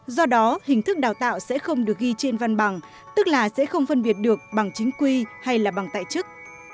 do đó hình thức đào tạo sẽ không được ghi trên văn bằng tức là sẽ không phân biệt được bằng chính quy hay là bằng tại chức